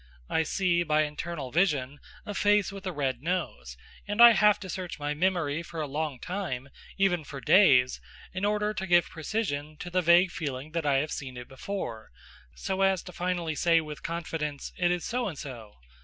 I see, by internal vision, a face with a red nose, and I have to search my memory for a long time, even for days, in order to give precision to the vague feeling that I have seen it before, so as to finally say with confidence, "It is So and So!"